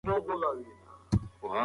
خلک په انټرنیټ کې پوهه تبادله کوي.